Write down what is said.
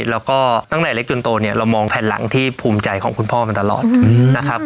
แล้วก็ตั้งแต่เล็กจนโตเนี่ยเรามองแผ่นหลังที่ภูมิใจของคุณพ่อมาตลอดนะครับ